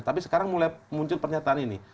tapi sekarang mulai muncul pernyataan ini